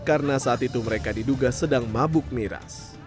karena saat itu mereka diduga sedang mabuk miras